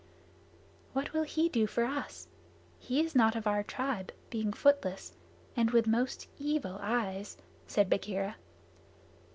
"What will he do for us? He is not of our tribe, being footless and with most evil eyes," said Bagheera.